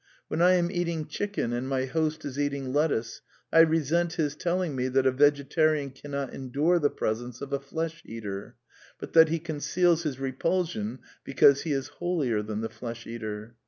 When I am eating chicken and my host is eating lettuce, I resent his telling me that a vegetarian cannot endure the presence of a flesh eater, but that he conceals his repulsion because he is holier than the flesh eater.